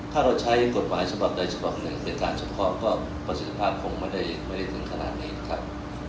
ถ้าเราใช้กฎหมายฉบับใดฉบับหนึ่งเป็นการเฉพาะก็ประสิทธิภาพคงไม่ได้ถึงขนาดนี้ครับ